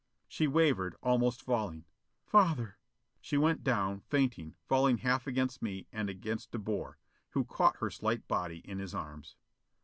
She wavered, almost falling. "Father " She went down, fainting, falling half against me and against De Boer, who caught her slight body in his arms.